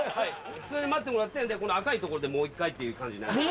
それで待ってもらってこの赤い所でもう一回っていう感じになります。